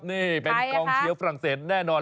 นี่เป็นกองเชียร์ฝรั่งเศสแน่นอน